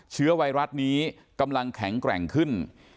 เชื้อไวรัสนี้กำลังแข็งแกร่งขึ้น